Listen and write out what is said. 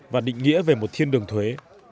và định nghĩa về một thiên đường thuế